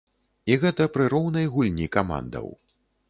І гэта пры роўнай гульні камандаў.